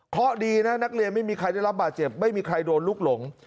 เพราะดีนะนักเรียนไม่มีใครได้รับบาดเจ็บไม่มีใครโดนลูกหลง